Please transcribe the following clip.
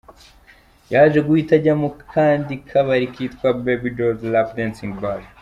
Yaje guhita ajya mu kandi kabari kitwa Baby Dolls lap-dancing bar.